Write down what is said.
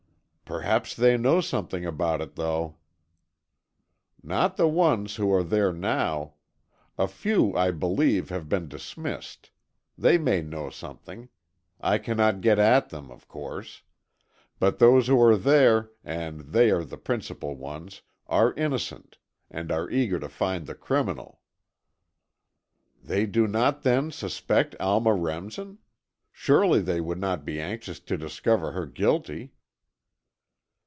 "Perhaps they know something about it, though." "Not the ones who are there now. A few, I believe, have been dismissed. They may know something. I cannot get at them, of course. But those who are there, and they are the principal ones, are innocent, and are eager to find the criminal." "They do not, then, suspect Alma Remsen? Surely they would not be anxious to discover her guilty."